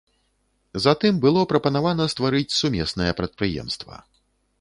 Затым было прапанавана стварыць сумеснае прадпрыемства.